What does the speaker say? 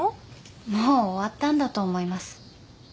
もう終わったんだと思います。